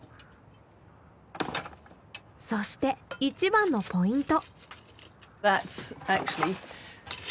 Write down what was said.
そして一番のポイント。